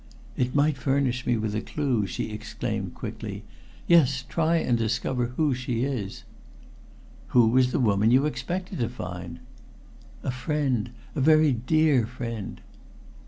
"It might furnish me with a clue," she exclaimed quickly. "Yes, try and discover who she is." "Who was the woman you expected to find?" "A friend a very dear friend."